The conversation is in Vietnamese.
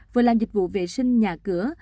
vừa làm dịch vụ vệ sinh nhà cửa